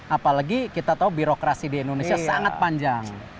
apalagi kita tahu birokrasi di indonesia sangat panjang